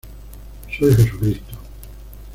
Soy Jesucristo.